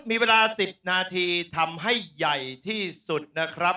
มีเวลา๑๐นาทีทำให้ใหญ่ที่สุดนะครับ